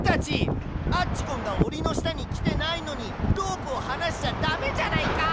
アッチゴンがおりのしたにきてないのにロープをはなしちゃだめじゃないか！